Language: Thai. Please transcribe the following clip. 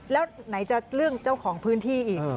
แล้วไหนจะเรื่องเจ้าของพื้นที่อีก